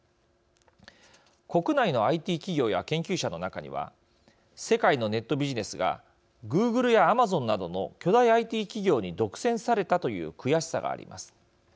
国内のＩＴ企業や研究者の中には世界のネットビジネスがグーグルやアマゾンなどの巨大ＩＴ企業に独占されたという悔しさがあります。